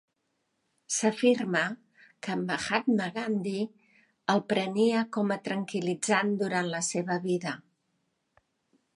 S'afirma que Mahatma Gandhi el prenia com a tranquil·litzant durant la seva vida.